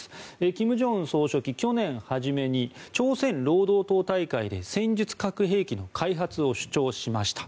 金正恩総書記は去年初めに朝鮮労働党大会で戦術核兵器の開発を主張しました。